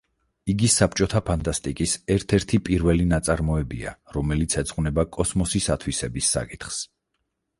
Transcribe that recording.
იგი საბჭოთა ფანტასტიკის ერთ-ერთი პირველი ნაწარმოებია, რომელიც ეძღვნება კოსმოსის ათვისების საკითხს.